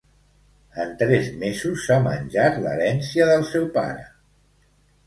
En tres mesos s'ha menjat l'herència del seu pare.